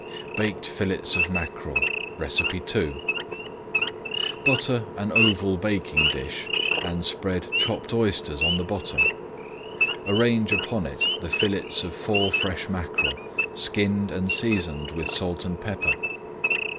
[Page 221] BAKED FILLETS OF MACKEREL Butter an oval baking dish and spread chopped oysters on the bottom. Arrange upon it the fillets of four fresh mackerel, skinned and seasoned with salt and pepper.